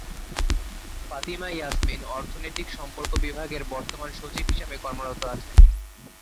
ফাতিমা ইয়াসমিন অর্থনৈতিক সম্পর্ক বিভাগের বর্তমান সচিব হিসেবে কর্মরত আছেন।